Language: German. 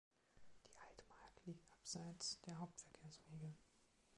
Die Altmark liegt abseits der Hauptverkehrswege.